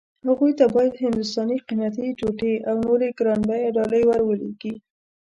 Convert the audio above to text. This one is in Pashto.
هغوی ته باید هندوستاني قيمتي ټوټې او نورې ګران بيه ډالۍ ور ولېږي.